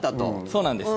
そうなんです。